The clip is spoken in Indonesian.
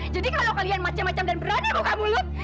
jadi kalau kalian macam macam dan berani buka mulut